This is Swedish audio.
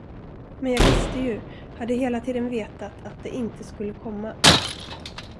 Men jag visste ju, hade hela tiden vetat att det inte skulle komma!